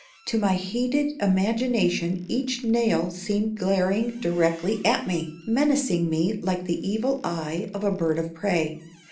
To my heated imagination each nail seemed glaring directly at me, menacing me like the evil eye of a bird of prey.